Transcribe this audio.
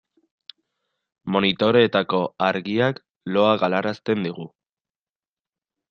Monitoreetako argiak loa galarazten digu.